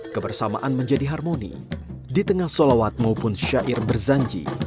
kebersamaan menjadi harmoni di tengah solawat maupun syair berzanji